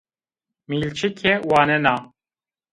Mîlçike wanena